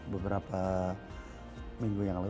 beberapa minggu yang lalu